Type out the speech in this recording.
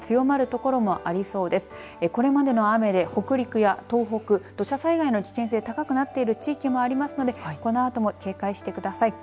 これまでの雨で北陸や東北土砂災害の危険性高くなってる地域もありますのでこのあとも警戒してください。